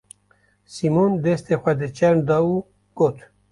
Sîmon destê xwe di çerm da û got: